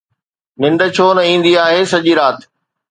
ننڊ ڇو نه ايندي آهي سڄي رات؟